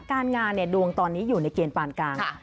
การงานดวงตอนนี้อยู่ในเกณฑ์ปานกลาง